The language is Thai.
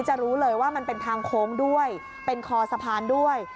จะรู้เลยว่ามันเป็นทางโค้งด้วยเป็นคอสะพานด้วย